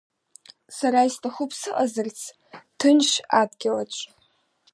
Сара исҭахуп сыҟазарц ҭынч адгьылаҿ.